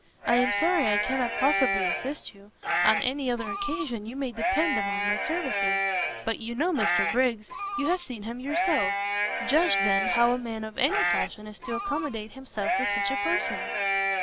I am sorry I cannot possibly assist you; on any other occasion you may depend upon my services; but you know Mr Briggs, you have seen him yourself, judge, then, how a man of any fashion is to accommodate himself with such a person!"